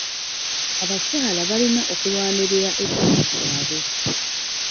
Abakyala balina okulwanirira eddembe lyabwe.